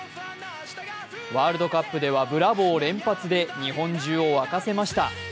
ワールドカップではブラボー連発で日本中を沸かせました。